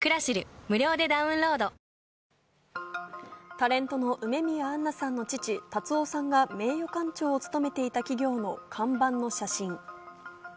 タレントの梅宮アンナさんの父・辰夫さんが名誉館長を務めていた企業の看板の写真。